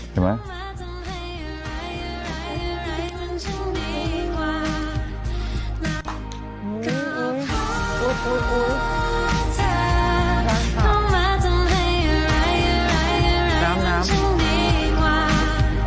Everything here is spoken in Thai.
เห็นไหม